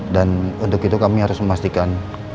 dan untuk itu kami harus memastikan